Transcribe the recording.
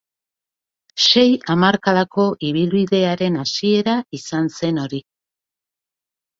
Sei hamarkadako ibilbidearen hasiera izan zen hori.